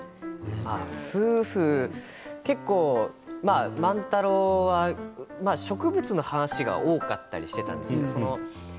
夫婦結構、万太郎は植物の話が多かったりしていたんですよ。